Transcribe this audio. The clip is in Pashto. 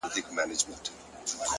هره موخه د ځان قرباني غواړي